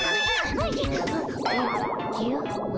おじゃ。